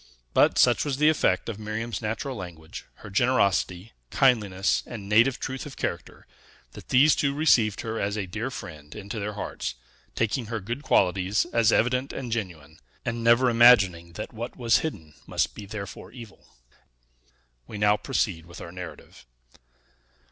But such was the effect of Miriam's natural language, her generosity, kindliness, and native truth of character, that these two received her as a dear friend into their hearts, taking her good qualities as evident and genuine, and never imagining that what was hidden must be therefore evil. We now proceed with our narrative.